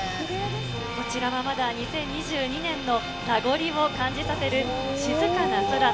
こちらはまだ２０２２年の名残を感じさせる静かな空。